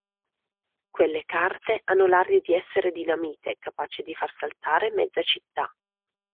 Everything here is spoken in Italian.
Quelle carte hanno l'aria di essere dinamite, capace di far saltare mezza città!